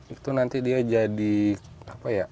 itu nanti dia jadi apa ya